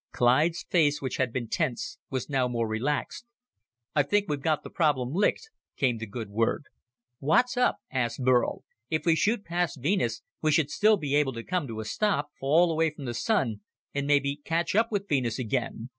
Clyde's face, which had been tense, was now more relaxed. "I think we've got the problem licked," came the good word. "What's up?" asked Burl. "If we shoot past Venus, we should still be able to come to a stop, fall away from the Sun and maybe catch up with Venus again.